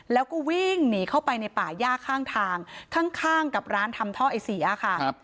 แล้วก็วิ่งหนีเข้าไปในป่าย่าข้างทางข้างกับร้านทำท่อไอเสียค่ะ